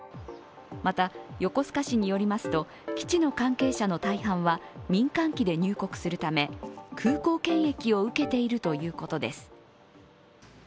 また、横須賀市によりますと基地の関係者の大半は民間機で入国するため、空港検疫を受けているということです。